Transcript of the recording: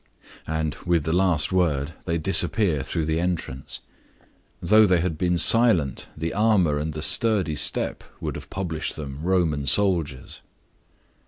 And with the last word they disappear through the entrance. Though they had been silent, the armor and the sturdy step would have published them Roman soldiers.